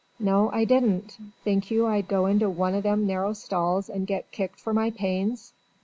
"No, I didn't. Think you I'd go into one o' them narrow stalls and get kicked for my pains."